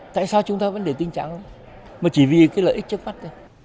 tại sao chúng ta vẫn để tình trạng